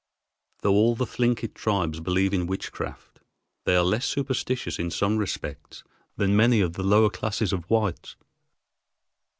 Though all the Thlinkit tribes believe in witchcraft, they are less superstitious in some respects than many of the lower classes of whites.